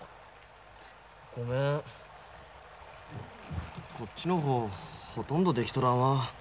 ごめんこっちの方ほとんどできとらんわ。